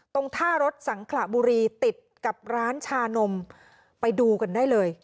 ตรงท่ารถสังขระบุรีติดกับร้านชานมไปดูกันได้เลย